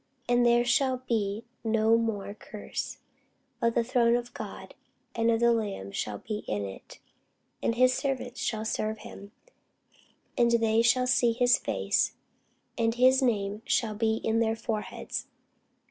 And there shall be no more curse: but the throne of God and of the Lamb shall be in it; and his servants shall serve him: and they shall see his face; and his name shall be in their foreheads.